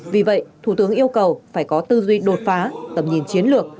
vì vậy thủ tướng yêu cầu phải có tư duy đột phá tầm nhìn chiến lược